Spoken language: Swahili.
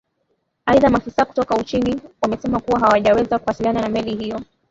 aidha maafisa kutoka uchina wamesema kuwa hawajaweza kuasiliana na meli hiyo